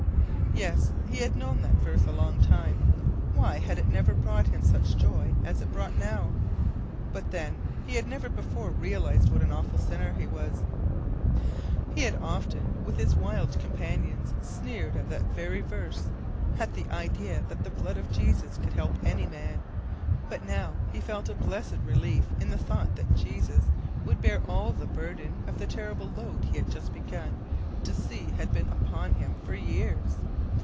Yes, he had known that verse a long time, why had it never brought him such joy as it brought now? But then, he had never before realized what an awful sinner he was. He had often, with his wild companions, sneered at that very verse; at the idea that the blood of Jesus could help any man; but now he felt a blessed relief in the thought that Jesus would bear all the burden of the terrible load he had just begun to see had been upon him for years.